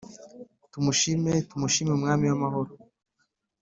Tumushime tumushime umwami w’amahoro